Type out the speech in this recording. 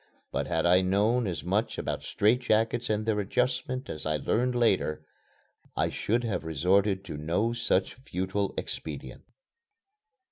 But had I known as much about strait jackets and their adjustment as I learned later, I should have resorted to no such futile expedient.